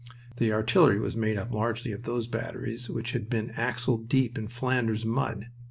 The artillery was made up largely of those batteries which had been axle deep in Flanders mud.